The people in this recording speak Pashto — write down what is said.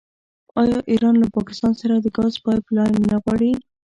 آیا ایران له پاکستان سره د ګاز پایپ لاین نه غواړي؟